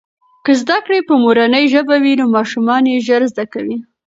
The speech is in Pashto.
که زده کړې په مورنۍ ژبه وي نو ماشومان یې ژر زده کوي.